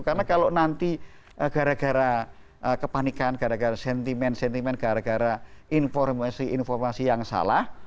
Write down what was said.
karena kalau nanti gara gara kepanikan gara gara sentimen sentimen gara gara informasi informasi yang salah